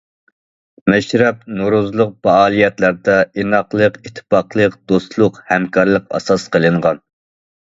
مەشرەپ، نورۇزلۇق پائالىيەتلەردە ئىناقلىق، ئىتتىپاقلىق، دوستلۇق، ھەمكارلىق ئاساس قىلىنغان.